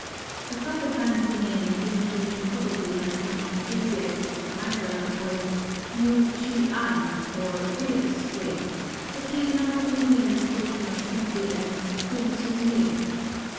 A further fancy name, given to him probably by some enthusiastic admirer, was Liu ch'üan, or "Willow Spring;" but he is now familiarly spoken of simply as P'u Sung ling.